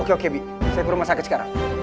oke oke bi saya ke rumah sakit sekarang